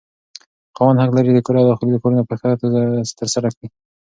خاوند حق لري چې د کور داخلي کارونه پر ښځه ترسره کړي.